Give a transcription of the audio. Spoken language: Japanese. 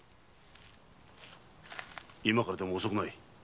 今からでも遅くはない。